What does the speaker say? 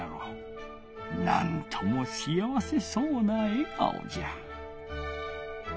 なんともしあわせそうなえがおじゃ。